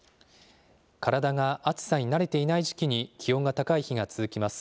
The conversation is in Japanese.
体が暑さに慣れていない時期に気温が高い日が続きます。